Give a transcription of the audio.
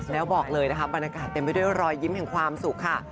แล้วบอกเลยนะคะบรรยากาศเต็มไปด้วยรอยยิ้มแห่งความสุขค่ะ